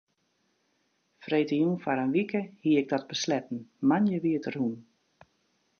Freedtejûn foar in wike hie ik dat besletten, moandei wie it rûn.